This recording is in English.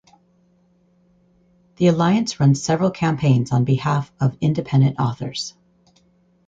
The Alliance runs several campaigns on behalf of independent authors.